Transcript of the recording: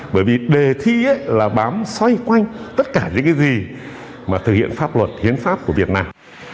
bởi vì đề thi là bám xoay quanh tất cả những cái gì mà thực hiện pháp luật hiến pháp của việt nam